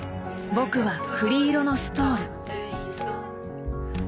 僕は栗色のストール。